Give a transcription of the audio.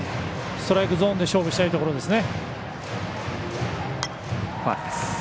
ストライクゾーンで勝負したいですね。